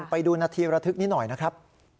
ไปดูนาทีระทึกนี้หน่อยนะครับ